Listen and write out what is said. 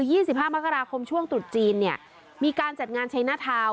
๒๕มกราคมช่วงตรุษจีนเนี่ยมีการจัดงานใช้หน้าทาวน์